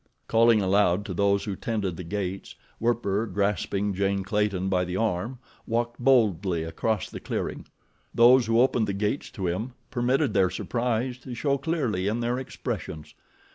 Calling aloud to those who tended the gates, Werper, grasping Jane Clayton by the arm, walked boldly across the clearing. Those who opened the gates to him permitted their surprise to show clearly in their expressions.